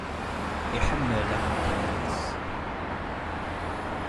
Iḥemmel axeddim-nnes.